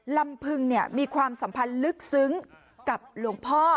ลำพึงมีความสัมพันธ์ลึกซึ้งกับหลวงพ่อ